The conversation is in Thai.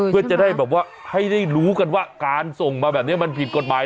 เพื่อจะได้แบบว่าให้ได้รู้กันว่าการส่งมาแบบนี้มันผิดกฎหมาย